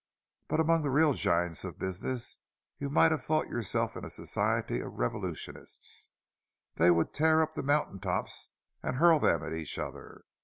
But among the real giants of business you might have thought yourself in a society of revolutionists; they would tear up the mountain tops and hurl them at each other.